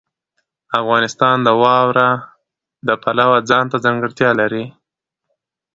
افغانستان د واوره د پلوه ځانته ځانګړتیا لري.